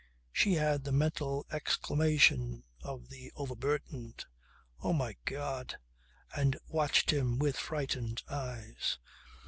She had the mental exclamation of the overburdened. "Oh my God!" and watched him with frightened eyes.